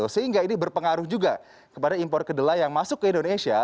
sehingga ini berpengaruh juga kepada impor kedelai yang masuk ke indonesia